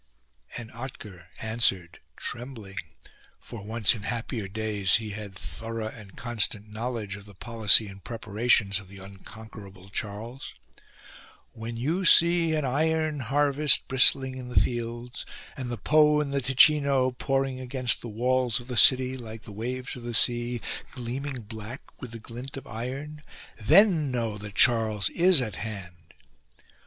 And Otker answered trem bling, for once, in happier days, he had had thorough and constant knowledge of the policy and preparation* of the unconquerable Charles :" When you see an iron harvest bristling in the fields ; and the Po and the Ticino pouring against the walls of the city like the waves of the sea, gleaming black with glint of iron, then know that Charles is at hand."